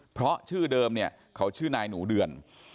เพราะชื่อเดิมเนี่ยเขาชื่อนายหนูเดือน